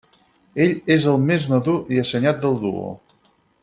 Ell és el més madur i assenyat del duo.